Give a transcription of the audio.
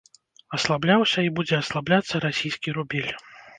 Аслабляўся і будзе аслабляцца расійскі рубель.